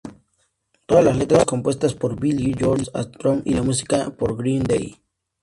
Todas las letras compuestas por Billie Joe Armstrong y la música por Green Day